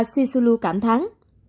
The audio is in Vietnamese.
sisulu cảm thắng